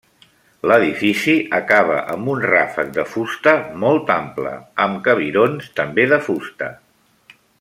L'edifici acaba amb un ràfec de fusta molt ample, amb cabirons també de fusta.